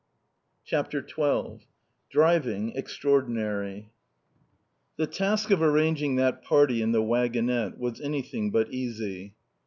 CHAPTER XII DRIVING EXTRAORDINARY The task of arranging that party in the waggonette was anything but easy.